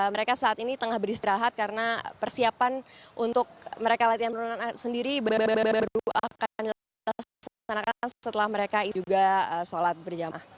mereka saat ini tengah beristirahat karena persiapan untuk mereka latihan penurunan sendiri baru akan dilaksanakan setelah mereka juga sholat berjamaah